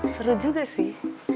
seru juga sih